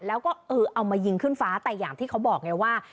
แล้วก็เออเอามายิงขึ้นฟ้าแต่อย่างที่เขาบอกไงว่า